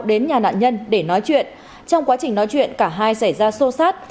đến nhà nạn nhân để nói chuyện trong quá trình nói chuyện cả hai xảy ra sô sát